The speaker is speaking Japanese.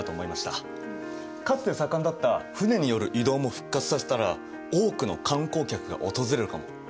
かつて盛んだった船による移動も復活させたら多くの観光客が訪れるかも。